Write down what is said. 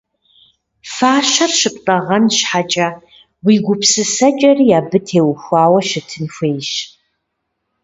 Фащэр щыптӀэгъэн щхьэкӀэ, уи гупсысэкӀэри абы техуэу щытын хуейщ.